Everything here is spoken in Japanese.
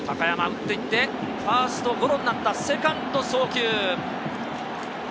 打っていってファーストゴロになった、セカンド送球。